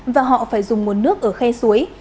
và họ phải dùng nguồn nước ở khe suối